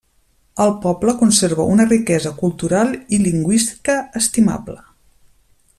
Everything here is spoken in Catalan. El poble conserva una riquesa cultural i lingüística estimable.